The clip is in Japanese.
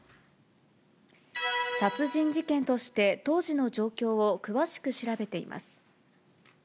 殺人事件として、当時の状況を詳しく調べています。